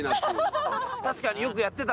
確かによくやってた。